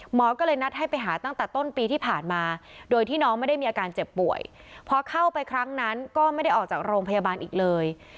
หมอก็เลยนัดให้ไปหาตั้งแต่ต้นปีที่ผ่านมาโดยที่น้องไม่ได้มีอาการเจ็บป่วยพอเข้าไปครั้งนั้นก็ไม่ได้ออกจากโรงพยาบาลอีกเลย